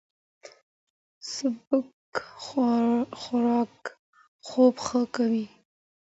سپک خوراک خوب ښه کوي.